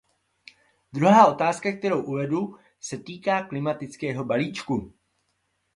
Druhá otázka, kterou uvedu, se týká klimatického balíčku.